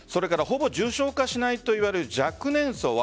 ほぼ重症化しないといわれる若年層